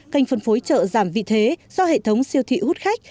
kênh phân phối chợ giảm vị thế do hệ thống siêu thị hút khách